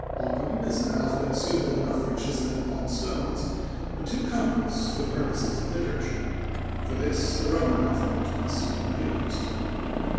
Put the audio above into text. Ogam is an alphabet suitable enough for chiselling upon stones, but too cumbrous for the purposes of literature. For this the Roman alphabet must have been used.